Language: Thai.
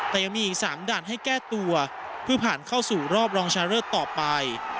แต่ยังมีอีก๓ด่านให้แก้ตัวเพื่อผ่านเข้าสู่รอบรองชนะเลิศต่อไป